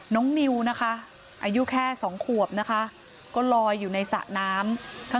นิวนะคะอายุแค่สองขวบนะคะก็ลอยอยู่ในสระน้ำค่ะ